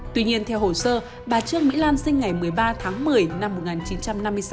tuy nhiên theo hồ sơ bà trương mỹ lan sinh ngày một mươi ba tháng một mươi năm một nghìn chín trăm năm mươi sáu